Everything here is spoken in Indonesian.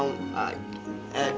kamu mau ajak ke sana